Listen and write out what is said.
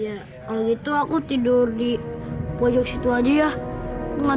ya kalau gitu aku tidur di pojok situ aja ya